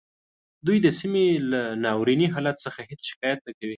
دوی د سیمې له ناوریني حالت څخه هیڅ شکایت نه کوي